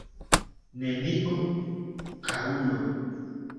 Nenion, karulo.